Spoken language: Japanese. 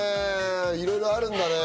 いろいろあるんだね。